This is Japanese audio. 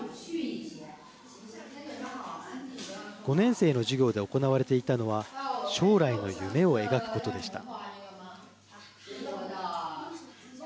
５年生の授業で行われていたのは将来の夢を描くことでした。